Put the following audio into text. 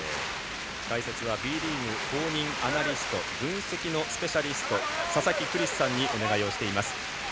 解説はＢリーグ公認アナリスト分析のスペシャリスト佐々木クリスさんにお願いしています。